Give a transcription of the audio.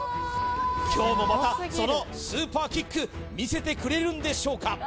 今日もまたそのスーパーキック見せてくれるんでしょうか？